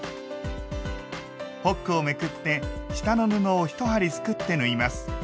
ホックをめくって下の布を１針すくって縫います。